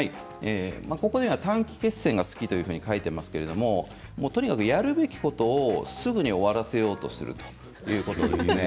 ここには短期決戦が好きと書いてありますけれどもとにかくやるべきことをすぐに終わらせようとするということですね。